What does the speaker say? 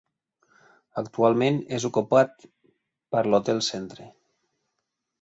Actualment és ocupat per l'hotel Centre.